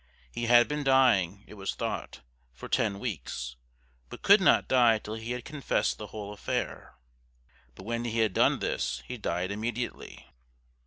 He had been dying, it was thought, for ten weeks; but could not die till he had confessed the whole affair. But when he had done this, he died immediately.